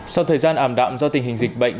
sau thời gian ảm đạm do tình hình dịch bệnh